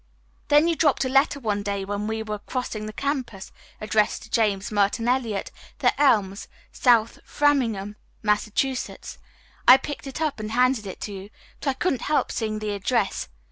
Then you dropped a letter one day when we were crossing the campus addressed to James Merton Eliot, The Elms, South Framingham, Massachusetts. I picked it up and handed it to you, but I couldn't help seeing the address.